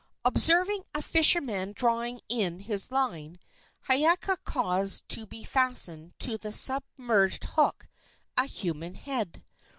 Observing a fisherman drawing in his line, Hiiaka caused to be fastened to the submerged hook a human head.